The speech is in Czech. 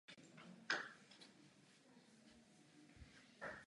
V průčelí je čtyřhranná předsíň.